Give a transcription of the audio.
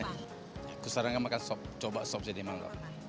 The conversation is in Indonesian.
aku sarankan makan sop coba sop jadi malam